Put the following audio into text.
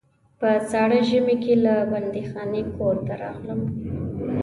په ساړه ژمي کې له بندیخانې کور ته راغلم.